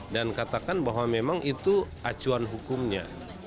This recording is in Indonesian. dan katakan bahwa memang itu acuan hukumnya